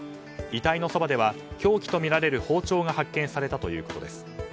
遺体のそばでは凶器とみられる包丁が発見されたということです。